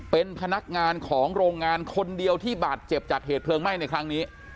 เป็นพนักงานของโรงงานคนเดียวที่บาดเจ็บจากเหตุเพลิงไหม้ในครั้งนี้